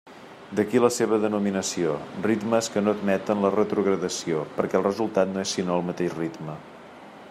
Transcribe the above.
D'aquí la seva denominació: ritmes que no admeten la retrogradació, perquè el resultat no és sinó el mateix ritme.